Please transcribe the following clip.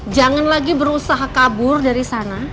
jangan lagi berusaha kabur dari sana